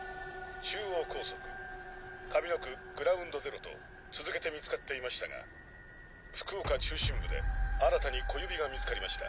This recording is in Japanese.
中央高速神野区グラウンドゼロと続けて見つかっていましたが福岡中心部で新たに小指が見つかりました。